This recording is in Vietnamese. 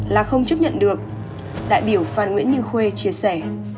là không chấp nhận được đại biểu phan nguyễn như khuê chia sẻ